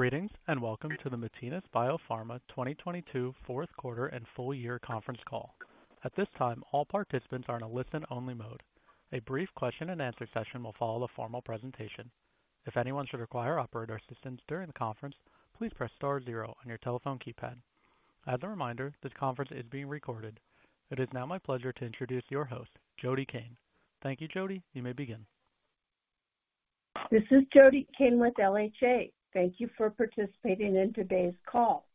Greetings, and welcome to the Matinas BioPharma 2022 fourth quarter and full year conference call. At this time, all participants are in a listen-only mode. A brief question and answer session will follow the formal presentation. If anyone should require operator assistance during the conference, please press star zero on your telephone keypad. As a reminder, this conference is being recorded. It is now my pleasure to introduce your host, Jody Cain. Thank you, Jody. You may begin. This is Jody Cain with LHA. Thank you for participating in today's call.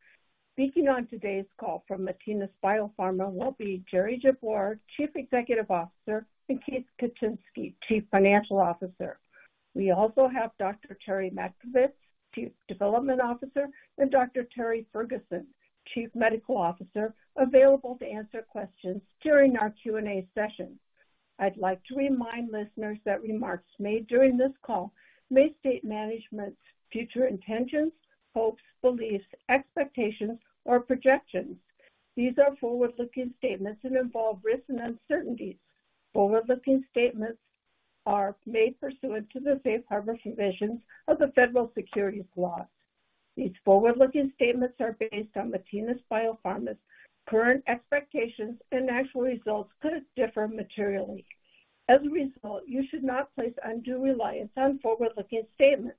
Speaking on today's call from Matinas BioPharma will be Jerry Jabbour, Chief Executive Officer, and Keith Kucinski, Chief Financial Officer. We also have Dr. Terri Matkovits, Chief Development Officer, and Dr. Terry Ferguson, Chief Medical Officer, available to answer questions during our Q&A session. I'd like to remind listeners that remarks made during this call may state management's future intentions, hopes, beliefs, expectations, or projections. These are forward-looking statements, and involve risks and uncertainties. Forward-looking statements are made pursuant to the safe harbor provisions of the federal securities laws. These forward-looking statements are based on Matinas BioPharma's current expectations, and actual results could differ materially. As a result, you should not place undue reliance on forward-looking statements.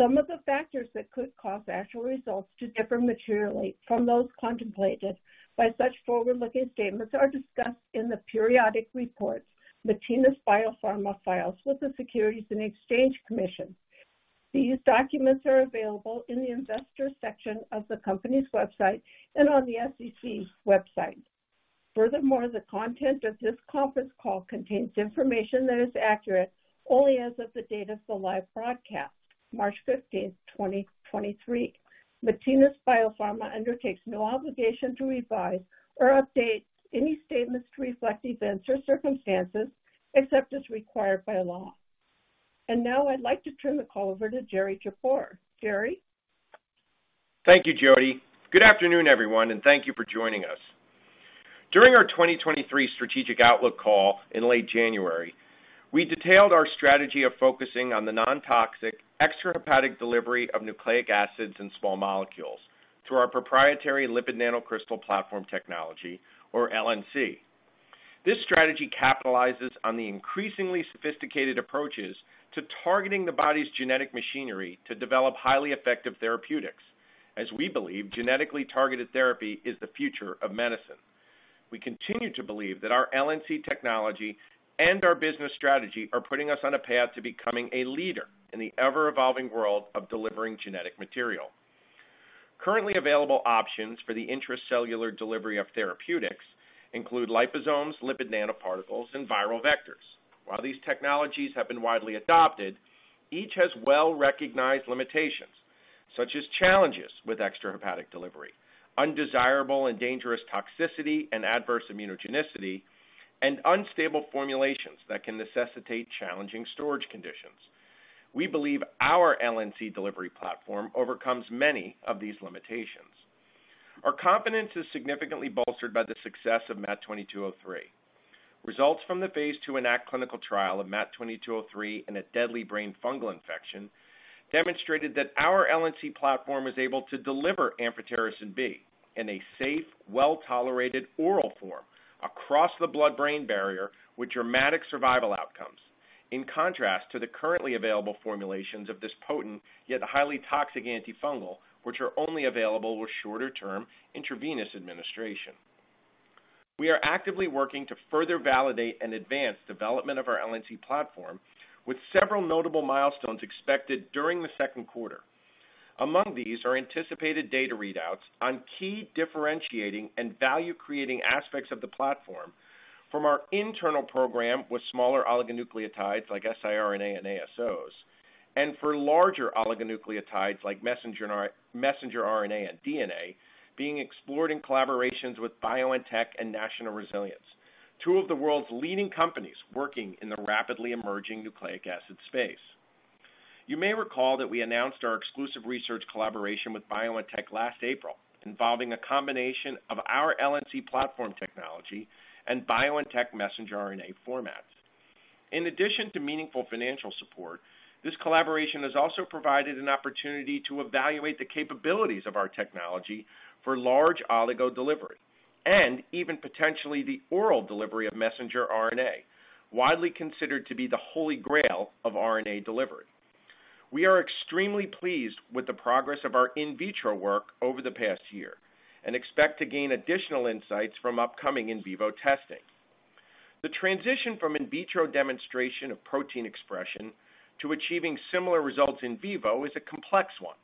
Some of the factors that could cause actual results to differ materially from those contemplated by such forward-looking statements are discussed in the periodic reports Matinas BioPharma files with the Securities and Exchange Commission. These documents are available in the Investors Section of the company's website and on the SEC website. Furthermore, the content of this conference call contains information that is accurate only as of the date of the live broadcast, March 15, 2023. Matinas BioPharma undertakes no obligation to revise or update any statements to reflect events or circumstances except as required by law. Now I'd like to turn the call over to Jerry Jabbour. Jerry. Thank you, Jody. Good afternoon, everyone, thank you for joining us. During our 2023 strategic outlook call in late January, we detailed our strategy of focusing on the non-toxic extrahepatic delivery of nucleic acids and small molecules through our proprietary Lipid Nano-Crystal platform technology, or LNC. This strategy capitalizes on the increasingly sophisticated approaches to targeting the body's genetic machinery to develop highly effective therapeutics, as we believe genetically targeted therapy is the future of medicine. We continue to believe that our LNC technology, and our business strategy are putting us on a path to becoming a leader in the ever-evolving world of delivering genetic material. Currently available options for the intracellular delivery of therapeutics include liposomes, lipid nanoparticles, and viral vectors. While these technologies have been widely adopted, each has well-recognized limitations, such as challenges with extrahepatic delivery, undesirable and dangerous toxicity and adverse immunogenicity, and unstable formulations that can necessitate challenging storage conditions. We believe our LNC delivery platform overcomes many of these limitations. Our confidence is significantly bolstered by the success of MAT2203. Results from the phase II ENACT clinical trial of MAT2203 in a deadly brain fungal infection demonstrated that our LNC platform is able to deliver amphotericin B in a safe, well-tolerated oral form across the blood-brain barrier with dramatic survival outcomes. In contrast to the currently available formulations of this potent yet highly toxic antifungal, which are only available with shorter-term intravenous administration. We are actively working to further validate and advance development of our LNC platform with several notable milestones expected during the second quarter. Among these are anticipated data readouts on key differentiating and value-creating aspects of the platform from our internal program with smaller oligonucleotides like siRNA and ASOs, and for larger oligonucleotides like messenger RNA and DNA being explored in collaborations with BioNTech and National Resilience, two of the world's leading companies working in the rapidly emerging nucleic acid space. You may recall that we announced our exclusive research collaboration with BioNTech last April, involving a combination of our LNC platform technology and BioNTech messenger RNA formats. In addition to meaningful financial support, this collaboration has also provided an opportunity to evaluate the capabilities of our technology for large oligo delivery and even potentially the oral delivery of messenger RNA, widely considered to be the holy grail of RNA delivery. We are extremely pleased with the progress of our in vitro work over the past year, and expect to gain additional insights from upcoming in vivo testing. The transition from in vitro demonstration of protein expression to achieving similar results in vivo is a complex one,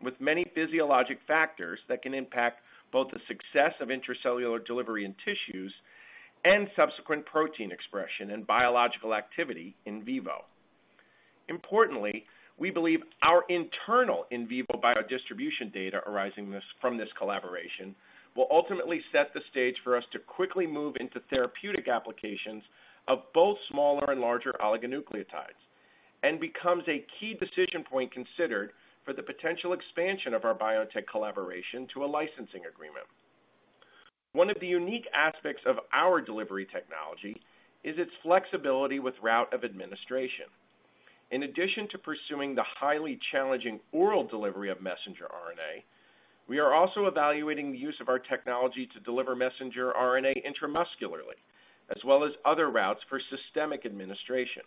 with many physiologic factors that can impact both the success of intracellular delivery in tissues and subsequent protein expression and biological activity in vivo. Importantly, we believe our internal in vivo biodistribution data arising from this collaboration will ultimately set the stage for us to quickly move into therapeutic applications of both smaller, and larger oligonucleotides, and becomes a key decision point considered for the potential expansion of our biotech collaboration to a licensing agreement. One of the unique aspects of our delivery technology is its flexibility with route of administration. In addition to pursuing the highly challenging oral delivery of messenger RNA, we are also evaluating the use of our technology to deliver messenger RNA intramuscularly, as well as other routes for systemic administration.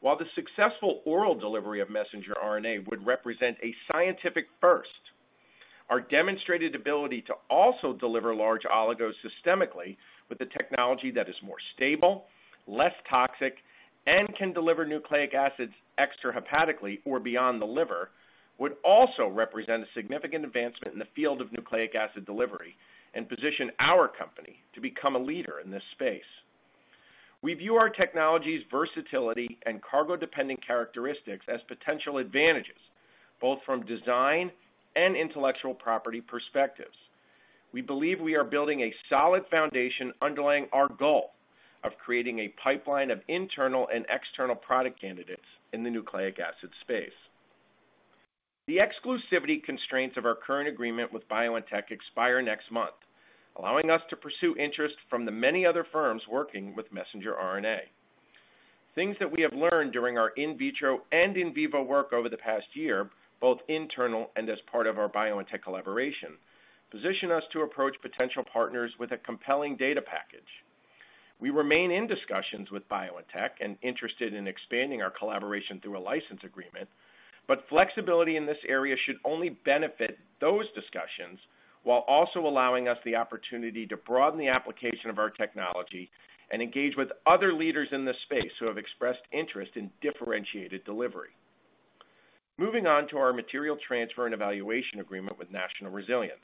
While the successful oral delivery of messenger RNA would represent a scientific first, our demonstrated ability to also deliver large oligos systemically with the technology that is more stable, less toxic, and can deliver nucleic acids extra-hepatically or beyond the liver would also represent a significant advancement in the field of nucleic acid delivery, and position our company to become a leader in this space. We view our technology's versatility and cargo-dependent characteristics as potential advantages, both from design and intellectual property perspectives. We believe we are building a solid foundation underlying our goal of creating a pipeline of internal and external product candidates in the nucleic acid space. The exclusivity constraints of our current agreement with BioNTech expire next month, allowing us to pursue interest from the many other firms working with messenger RNA. Things that we have learned during our in vitro and in vivo work over the past year, both internal and as part of our BioNTech collaboration, position us to approach potential partners with a compelling data package. We remain in discussions with BioNTech, and interested in expanding our collaboration through a license agreement, but flexibility in this area should only benefit those discussions while also allowing us the opportunity to broaden the application of our technology, and engage with other leaders in this space who have expressed interest in differentiated delivery. Moving on to our material transfer and evaluation agreement with National Resilience.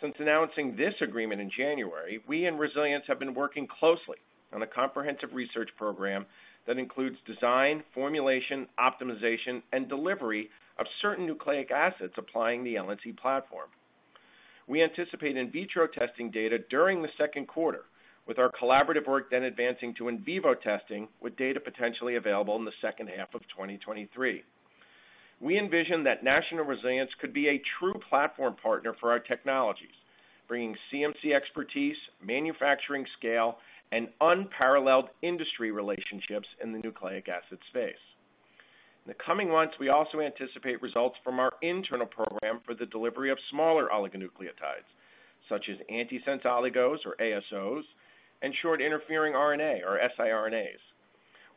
Since announcing this agreement in January, we and Resilience have been working closely on a comprehensive research program that includes design, formulation, optimization, and delivery of certain nucleic acids applying the LNC platform. We anticipate in vitro testing data during the second quarter, with our collaborative work then advancing to in vivo testing, with data potentially available in the second half of 2023. We envision that National Resilience could be a true platform partner for our technologies, bringing CMC expertise, manufacturing scale, and unparalleled industry relationships in the nucleic acid space. In the coming months, we also anticipate results from our internal program for the delivery of smaller oligonucleotides, such as antisense oligos, or ASOs, and short interfering RNA, or siRNAs.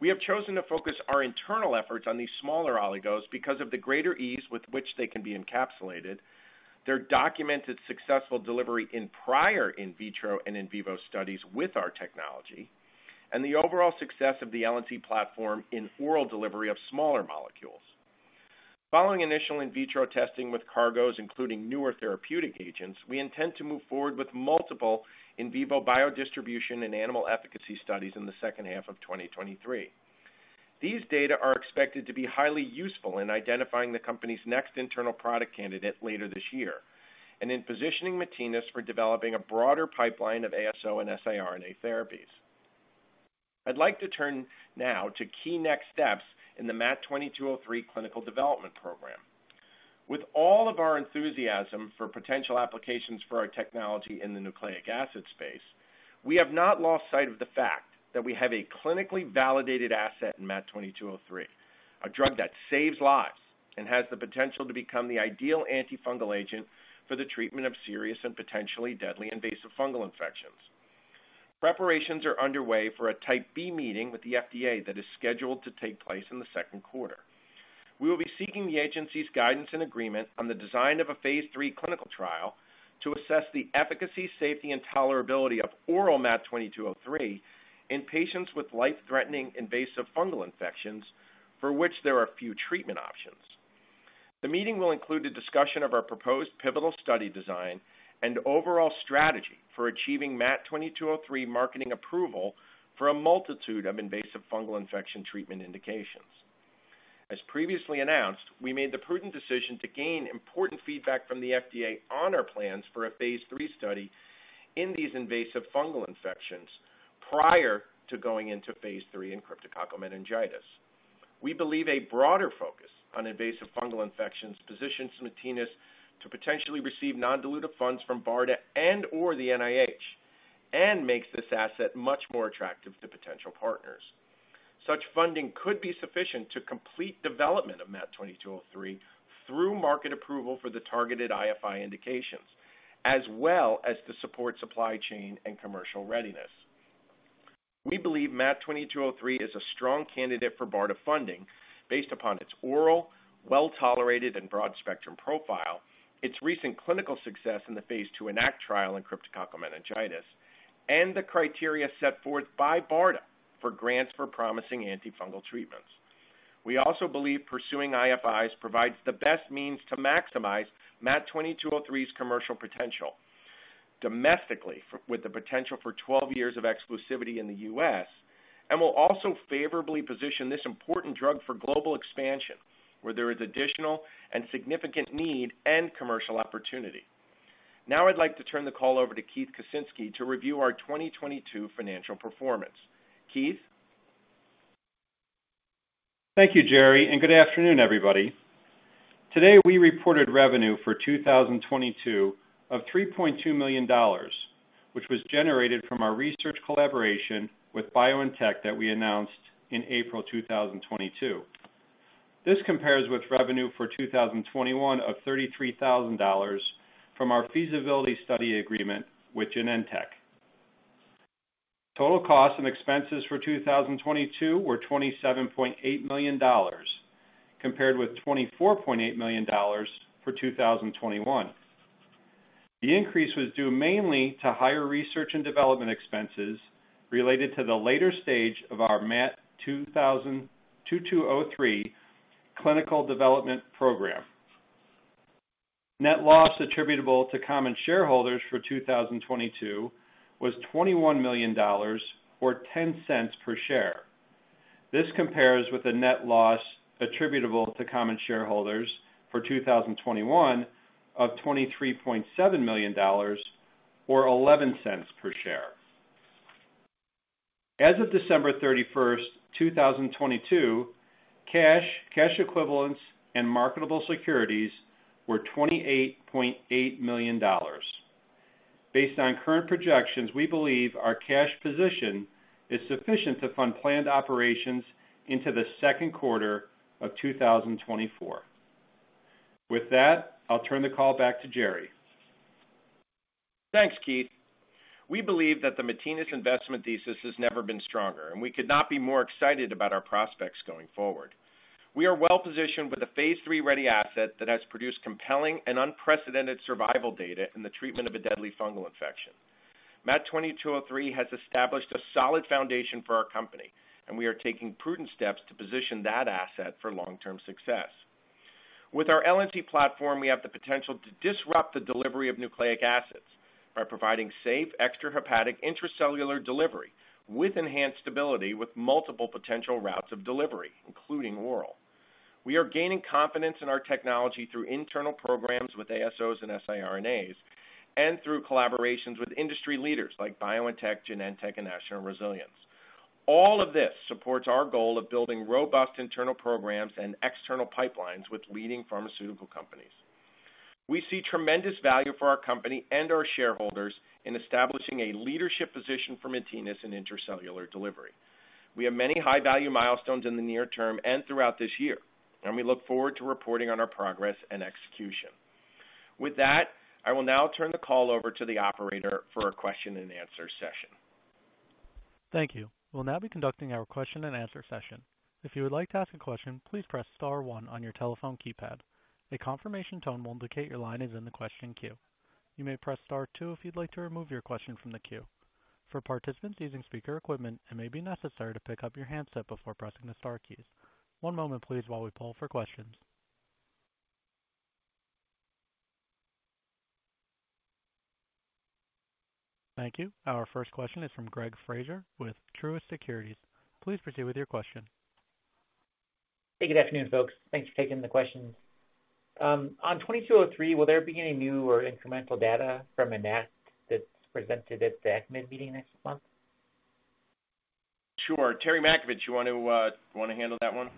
We have chosen to focus our internal efforts on these smaller oligos because of the greater ease with which they can be encapsulated, their documented successful delivery in prior in vitro and in vivo studies with our technology, and the overall success of the LNC platform in oral delivery of smaller molecules. Following initial in vitro testing with cargos, including newer therapeutic agents, we intend to move forward with multiple in vivo biodistribution and animal efficacy studies in the second half of 2023. These data are expected to be highly useful in identifying the company's next internal product candidate later this year and in positioning Matinas for developing a broader pipeline of ASO and siRNA therapies. I'd like to turn now to key next steps in the MAT2203 clinical development program. With all of our enthusiasm for potential applications for our technology in the nucleic acid space, we have not lost sight of the fact that we have a clinically validated asset in MAT2203, a drug that saves lives and has the potential to become the ideal antifungal agent for the treatment of serious and potentially deadly invasive fungal infections. Preparations are underway for a Type B meeting with the FDA that is scheduled to take place in the second quarter. We will be seeking the agency's guidance and agreement on the design of a phase III clinical trial to assess the efficacy, safety, and tolerability of oral MAT2203 in patients with life-threatening invasive fungal infections for which there are few treatment options. The meeting will include a discussion of our proposed pivotal study design, and overall strategy for achieving MAT2203 marketing approval for a multitude of invasive fungal infection treatment indications. As previously announced, we made the prudent decision to gain important feedback from the FDA on our plans for a phase III study in these invasive fungal infections prior to going into phase III in cryptococcal meningitis. We believe a broader focus on invasive fungal infections positions Matinas to potentially receive non-dilutive funds from BARDA and/or the NIH, and makes this asset much more attractive to potential partners. Such funding could be sufficient to complete development of MAT2203 through market approval for the targeted IFI indications, as well as to support supply chain and commercial readiness. We believe MAT2203 is a strong candidate for BARDA funding based upon its oral, well-tolerated, and broad-spectrum profile, its recent clinical success in the phase II ENACT trial in cryptococcal meningitis, and the criteria set forth by BARDA for grants for promising antifungal treatments. We also believe pursuing IFIs provides the best means to maximize MAT2203's commercial potential domestically, with the potential for 12 years of exclusivity in the U.S., and will also favorably position this important drug for global expansion, where there is additional and significant need and commercial opportunity. Now I'd like to turn the call over to Keith Kucinski to review our 2022 financial performance. Keith? Thank you, Jerry. Good afternoon, everybody. Today, we reported revenue for 2022 of $3.2 million, which was generated from our research collaboration with BioNTech that we announced in April 2022. This compares with revenue for 2021 of $33,000 from our feasibility study agreement with Genentech. Total costs and expenses for 2022 were $27.8 million compared with $24.8 million for 2021. The increase was due mainly to higher research and development expenses related to the later stage of our MAT2203 clinical development program. Net loss attributable to common shareholders for 2022 was $21 million or $0.10 per share. This compares with the net loss attributable to common shareholders for 2021 of $23.7 million or $0.11 per share. As of December 31st, 2022, cash equivalents, and marketable securities were $28.8 million. Based on current projections, we believe our cash position is sufficient to fund planned operations into the second quarter of 2024. With that, I'll turn the call back to Jerry. Thanks, Keith. We believe that the Matinas investment thesis has never been stronger, and we could not be more excited about our prospects going forward. We are well-positioned with a phase III ready asset that has produced compelling and unprecedented survival data in the treatment of a deadly fungal infection. MAT2203 has established a solid foundation for our company, and we are taking prudent steps to position that asset for long-term success. With our LNC platform, we have the potential to disrupt the delivery of nucleic acids by providing safe, extrahepatic intracellular delivery with enhanced stability with multiple potential routes of delivery, including oral. We are gaining confidence in our technology through internal programs with ASOs and siRNAs and through collaborations with industry leaders like BioNTech, Genentech, and National Resilience. All of this supports our goal of building robust internal programs and external pipelines with leading pharmaceutical companies. We see tremendous value for our company and our shareholders in establishing a leadership position for Matinas in intracellular delivery. We have many high-value milestones in the near term and throughout this year. We look forward to reporting on our progress and execution. With that, I will now turn the call over to the operator for a question and answer session. Thank you. We'll now be conducting our question and answer session. If you would like to ask a question, please press star one on your telephone keypad. A confirmation tone will indicate your line is in the question queue. You may press Star two if you'd like to remove your question from the queue. For participants using speaker equipment, it may be necessary to pick up your handset before pressing the star keys. One moment please while we pull for questions. Thank you. Our first question is from Greg Fraser with Truist Securities. Please proceed with your question. Hey, good afternoon, folks. Thanks for taking the questions. On 2203, will there be any new or incremental data from ENACT that's presented at the ECCMID meeting next month? Sure. Terri Matkovits, you wanna handle that one?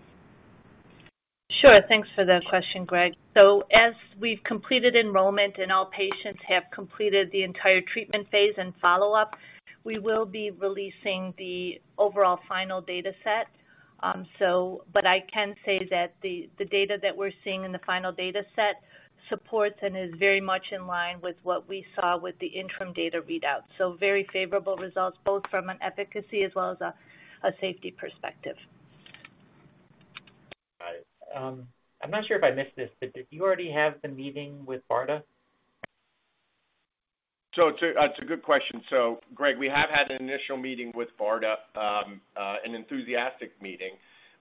Sure. Thanks for the question, Greg. As we've completed enrollment and all patients have completed the entire treatment phase and follow-up, we will be releasing the overall final data set. I can say that the data that we're seeing in the final data set supports and is very much in line with what we saw with the interim data readout. Very favorable results both from an efficacy as well as a safety perspective. Got it. I'm not sure if I missed this, did you already have the meeting with BARDA? It's a good question. Greg, we have had an initial meeting with BARDA, an enthusiastic meeting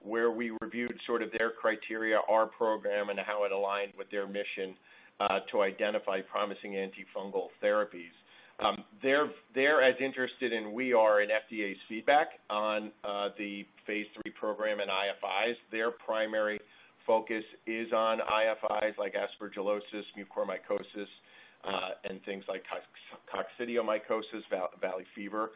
where we reviewed sort of their criteria, our program, and how it aligned with their mission to identify promising antifungal therapies. They're as interested and we are in FDA's feedback on the phase III program and IFIs. Their primary focus is on IFIs like aspergillosis, mucormycosis, and things like coccidioidomycosis, Valley fever.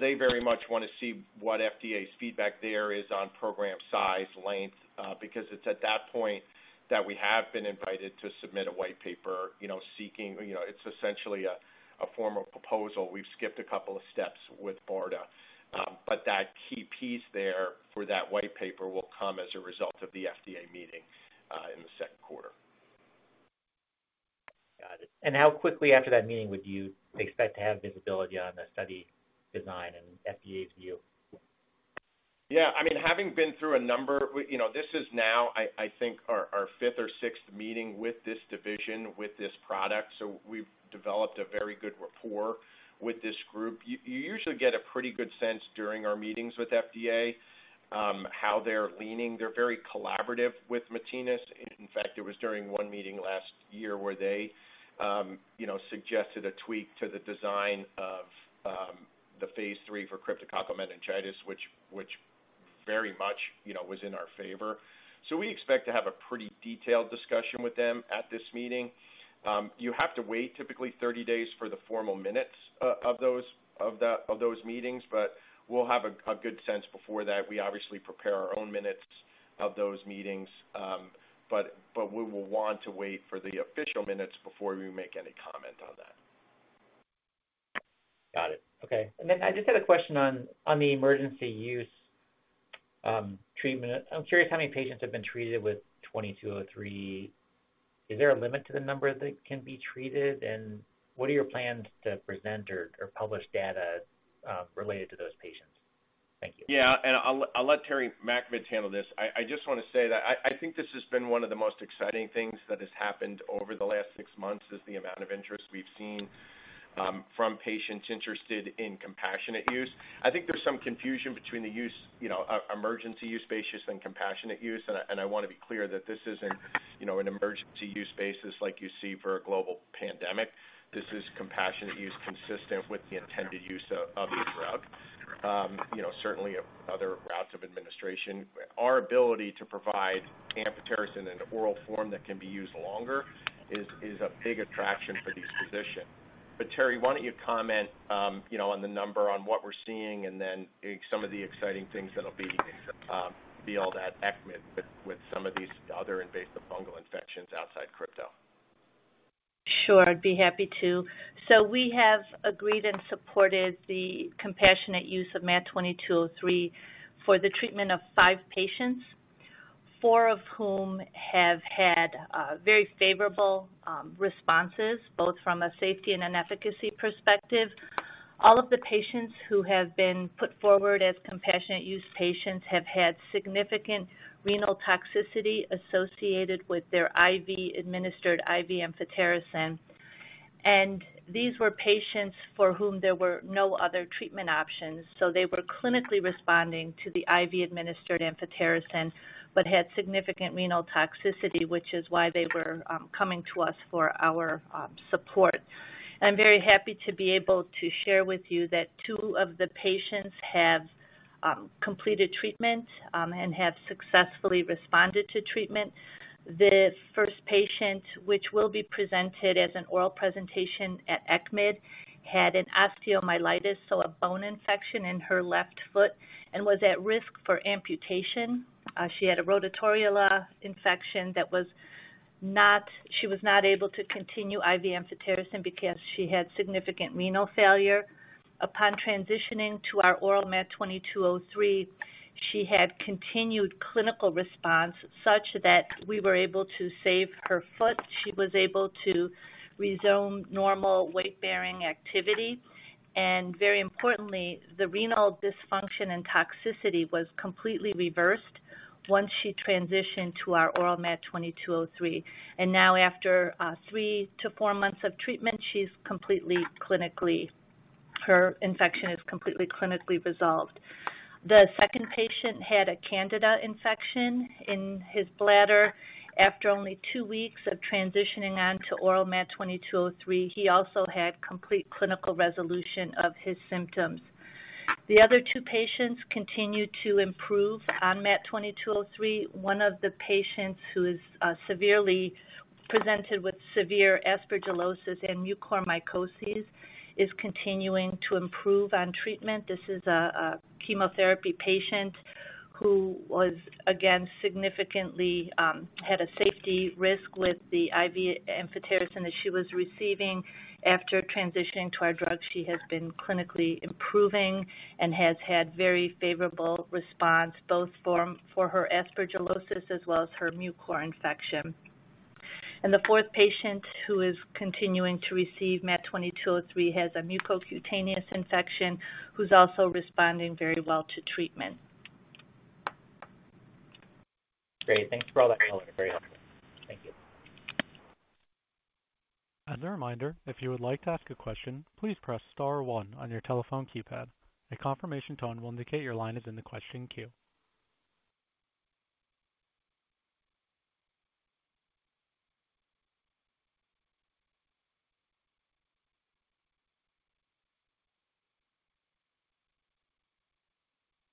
They very much wanna see what FDA's feedback there is on program size, length, because it's at that point that we have been invited to submit a white paper, you know, seeking, you know, it's essentially a formal proposal. We've skipped a couple of steps with BARDA. That key piece there for that white paper will come as a result of the FDA meeting in the second quarter. Got it. How quickly after that meeting would you expect to have visibility on the study design and FDA's view? Yeah. I mean, having been through a number, you know, this is now I think our 5th or 6th meeting with this division, with this product, so we've developed a very good rapport with this group. You usually get a pretty good sense during our meetings with FDA, how they're leaning. They're very collaborative with Matinas. In fact, it was during one meeting last year where they, you know, suggested a tweak to the design of the phase III for cryptococcal meningitis, which very much, you know, was in our favor. We expect to have a pretty detailed discussion with them at this meeting. You have to wait typically 30 days for the formal minutes of those meetings, we'll have a good sense before that. We obviously prepare our own minutes of those meetings, but we will want to wait for the official minutes before we make any comment on that. Got it. Okay. I just had a question on the emergency use, treatment. I'm curious how many patients have been treated with 2203. Is there a limit to the number that can be treated? What are your plans to present or publish data, related to those patients? Thank you. Yeah, I'll let Terri Matkovits handle this. I just wanna say that I think this has been one of the most exciting things that has happened over the last six months, is the amount of interest we've seen from patients interested in compassionate use. I think there's some confusion between the use, you know, emergency use basis and compassionate use, and I wanna be clear that this isn't, you know, an emergency use basis like you see for a global pandemic. This is compassionate use consistent with the intended use of the drug, you know, certainly of other routes of administration. Our ability to provide amphotericin in an oral form that can be used longer is a big attraction for this position. Terri, why don't you comment, you know, on the number on what we're seeing and then some of the exciting things that'll be all that ECCMID with some of these other invasive fungal infections outside crypto. Sure, I'd be happy to. We have agreed and supported the compassionate use of MAT2203 for the treatment of five patients, four of whom have had very favorable responses, both from a safety and an efficacy perspective. All of the patients who have been put forward as compassionate use patients have had significant renal toxicity associated with their IV administered amphotericin B. These were patients for whom there were no other treatment options. They were clinically responding to the IV administered amphotericin B but had significant renal toxicity, which is why they were coming to us for our support. I'm very happy to be able to share with you that two of the patients have completed treatment and have successfully responded to treatment. The first patient, which will be presented as an oral presentation at ECCMID, had an osteomyelitis, so a bone infection in her left foot, and was at risk for amputation. She had a Rhodotorula infection. She was not able to continue IV amphotericin because she had significant renal failure. Upon transitioning to our oral MAT2203, she had continued clinical response such that we were able to save her foot. She was able to resume normal weightbearing activity. Very importantly, the renal dysfunction and toxicity was completely reversed once she transitioned to our oral MAT2203. Now after three to four months of treatment, her infection is completely clinically resolved. The second patient had a Candida infection in his bladder. After only two weeks of transitioning on to oral MAT2203, he also had complete clinical resolution of his symptoms. The other two patients continue to improve on MAT2203. One of the patients who is presented with severe aspergillosis and mucormycosis is continuing to improve on treatment. This is a chemotherapy patient who was again significantly had a safety risk with the IV amphotericin that she was receiving. After transitioning to our drug, she has been clinically improving and has had very favorable response both for her aspergillosis as well as her mucor infection. The fourth patient who is continuing to receive MAT2203 has a mucocutaneous infection, who's also responding very well to treatment. Great. Thanks for all that color. Very helpful. Thank you. As a reminder, if you would like to ask a question, please press star one on your telephone keypad. A confirmation tone will indicate your line is in the question queue.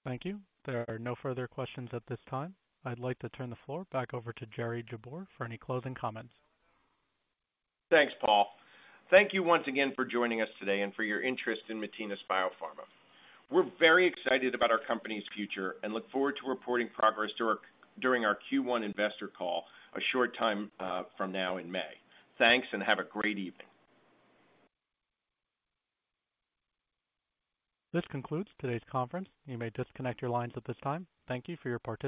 Thank you. There are no further questions at this time. I'd like to turn the floor back over to Jerry Jabbour for any closing comments. Thanks, Paul. Thank you once again for joining us today and for your interest in Matinas BioPharma. We're very excited about our company's future and look forward to reporting progress during our Q1 investor call a short time from now in May. Thanks. Have a great evening. This concludes today's conference. You may disconnect your lines at this time. Thank you for your participation.